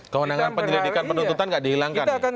kewenangan penyelidikan penuntutan nggak dihilangkan